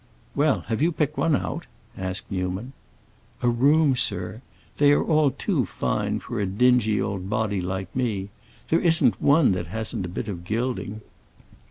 "Well, have you picked one out?" asked Newman. "A room, sir? They are all too fine for a dingy old body like me. There isn't one that hasn't a bit of gilding."